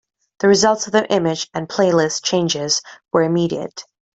The results of the image and playlist changes were immediate.